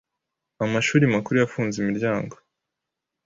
amshuri makuru yafunze imiryango